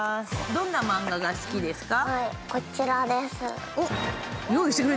どんなマンガが好きですか？